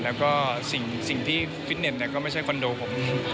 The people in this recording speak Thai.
แล้วก็สิ่งที่ฟิตเน็ตก็ไม่ใช่คอนโดผม